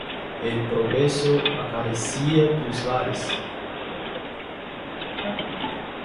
El progreso acaricia tus lares.